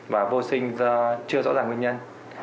và vô sinh do chưa rõ ràng nguyên nhân